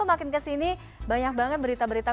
makin kesini banyak banget berita berita